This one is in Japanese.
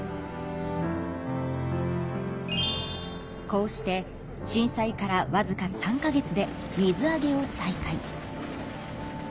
こうして震災からわずか３か月で水揚げを再開。